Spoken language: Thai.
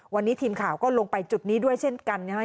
วันนี้ทีมข่าวก็ลงไปจุดนี้ด้วยเช่นกันนะครับ